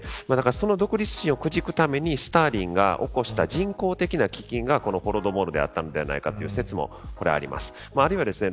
その独立心をくじくためにスターリンが起こした人工的な飢きんがこのホロドモールであったのではないかという説もあります。